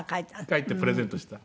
描いてプレゼントした。